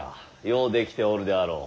よう出来ておるであろう。